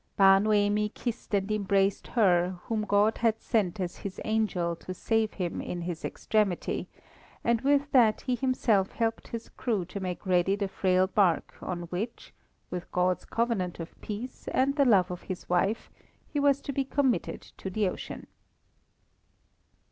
Bar Noemi kissed and embraced her whom God had sent as His angel to save him in his extremity, and with that he himself helped his crew to make ready the frail bark on which, with God's covenant of peace and the love of his wife, he was to be committed to the ocean.